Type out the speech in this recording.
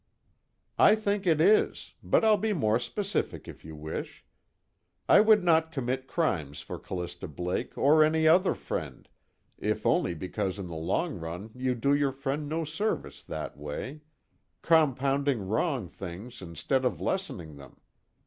"I think it is, but I'll be more specific if you wish. I would not commit crimes for Callista Blake or any other friend, if only because in the long run you do your friend no service that way compounding wrong things instead of lessening them.